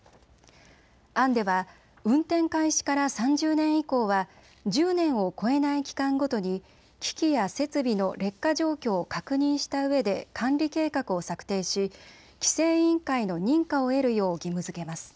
案では運転開始から３０年以降は１０年を超えない期間ごとに機器や設備の劣化状況を確認したうえで管理計画を策定し規制委員会の認可を得るよう義務づけます。